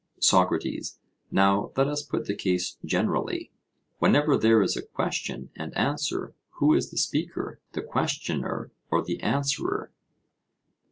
SOCRATES: Now let us put the case generally: whenever there is a question and answer, who is the speaker, the questioner or the answerer?